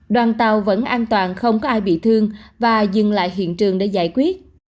đoàn tàu vẫn an toàn không có ai bị thương và dừng lại hiện trường để giải quyết